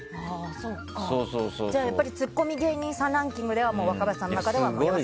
ツッコミ芸人さんのランキングでは若林さんの中では山里さんなんだ。